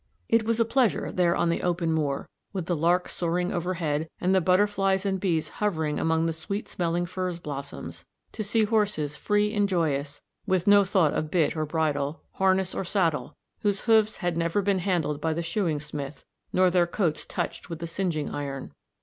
It was a pleasure, there on the open moor, with the lark soaring overhead, and the butterflies and bees hovering among the sweet smelling furze blossoms, to see horses free and joyous, with no thought of bit or bridle, harness or saddle, whose hoofs had never been handled by the shoeing smith, nor their coats touched with the singeing iron.